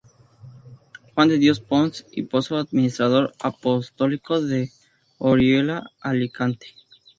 Juan de Dios Ponce y Pozo, Administrador apostólico de Orihuela-Alicante.